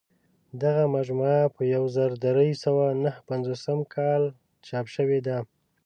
دغه مجموعه په یو زر درې سوه نهه پنځوس کال چاپ شوې ده.